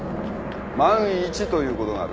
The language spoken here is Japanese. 万一ということがある。